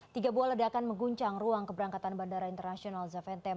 tiga buah ledakan mengguncang ruang keberangkatan bandara internasional zaventem